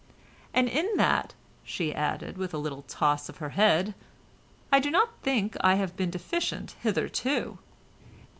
And in that," she added, with a little toss of her head, "I do not think I have been deficient hitherto."